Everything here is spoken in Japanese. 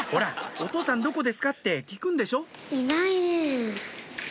お父さんどこですか？って聞くんでしょいないね。